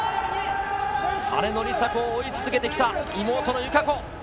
姉の梨紗子を追い続けてきた、妹の友香子。